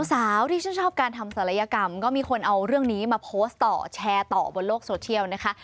สาวที่ชื่นชอบการทำศัลยกรรมก็มีคนเอาเรื่องนี้มาโพสต์ต่อแชร์ต่อบนโลกโซเชียลนะคะ